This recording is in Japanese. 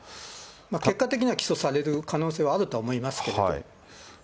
結果的には起訴される可能性があるとは思いますけれども。